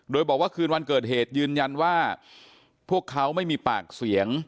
โดยบอกว่าคืนวันเกิดเหตุยืนยันว่าพวกเขาไม่มีปากเสียง